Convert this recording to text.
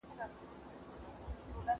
وګړي د سياسي ځواک اصلي مالکان وپېژندل سول.